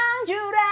tabu tabu tadi undang